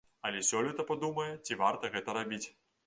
Але сёлета падумае, ці варта гэта рабіць.